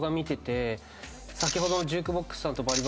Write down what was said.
先ほどの。